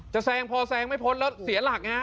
จะแทรกพอแทรกมาพล่าเสียหลัก